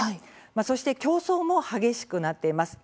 そして競争も激しくなっています。